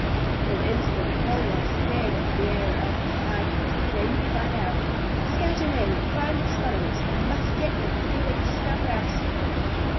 For an instant Folwell stared at the bearer of these tidings. Then he cried out: "Scatter men, and find these fellows! We must get them before they discover our secret!"